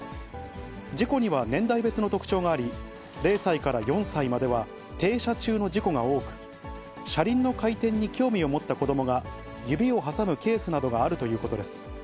事故には年代別の特徴があり、０歳から４歳までは停車中の事故が多く、車輪の回転に興味を持った子どもが、指を挟むケースなどがあるということです。